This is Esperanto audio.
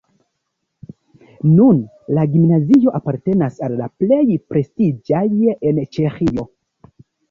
Nun la gimnazio apartenas al la plej prestiĝaj en Ĉeĥio.